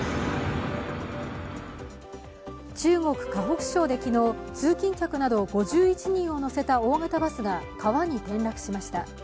中国・河北省で昨日、通勤客など５１人を乗せた大型バスが川に転落しました。